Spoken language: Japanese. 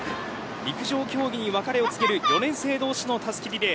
陸上競技に別れを告げる４年生同士のたすきリレー。